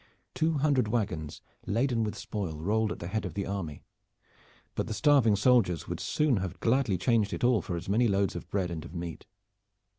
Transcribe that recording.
Two hundred wagons laden with spoil rolled at the head of the army, but the starving soldiers would soon have gladly changed it all for as many loads of bread and of meat.